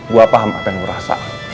gue paham apa yang lu rasa